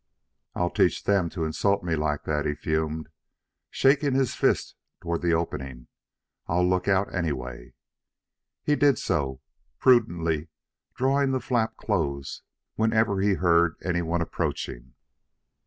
"I'll teach them to insult me like that," he fumed, shaking his fist toward the opening. "I'll look out anyway." He did so, prudently drawing the flap close whenever he heard anyone approaching.